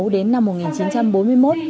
đến năm một nghìn chín trăm bốn mươi một